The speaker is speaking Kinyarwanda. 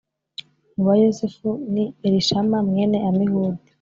mu Bayosefu ni Elishama mwene Amihudi